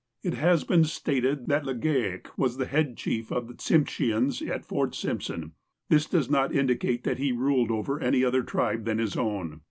It has been stated that Legale was the head chief of the Tsimsheans at Fort Simpson. This does not indicate that he ruled over any other tribe than his own.